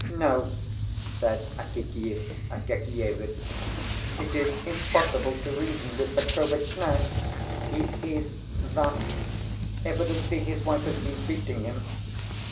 "No," said Akakiy Akakievitch, "it is impossible to reason with Petrovitch now; he is that evidently his wife has been beating him.